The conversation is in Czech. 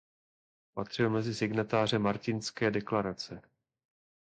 Patřil mezi signatáře "Martinské deklarace".